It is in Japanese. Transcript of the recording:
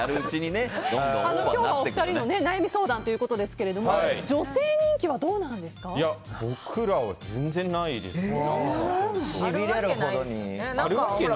今日はお二人の悩み相談ということですが僕らは全然ないですよ。